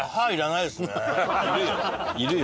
いるよ。